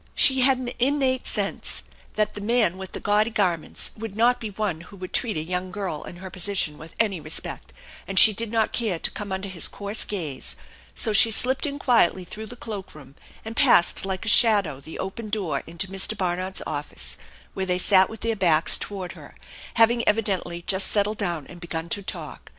She had an innate sense that the man with the gaudy garments would not be one who would treat a young 1 girl in^ ENCHANTED BARN 181 tier position with any respect, and she did not care to come xmder his coarse gaze, so she slipped in quietly through the cloak room, and passed like a shadow the open door into Mr. Barnard's office, where they sat with their backs toward her, having evidently just settled down and begun to talk.